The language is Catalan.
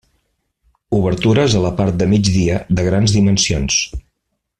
Obertures a la part de migdia de grans dimensions.